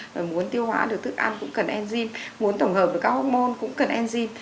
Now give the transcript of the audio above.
rồi muốn tiêu hóa được thức ăn cũng cần enzyme muốn tổng hợp được các hormone cũng cần enzyme